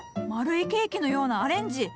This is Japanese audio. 丸いケーキのようなアレンジ。